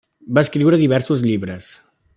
Va escriure diversos llibres.